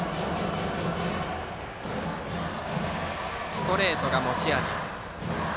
ストレートが持ち味。